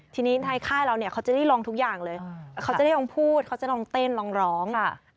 ทีนี้ในค่ายเราเนี่ยเขาจะได้ลองทุกอย่างเลยเขาจะได้ลองพูดเขาจะลองเต้นลองร้อง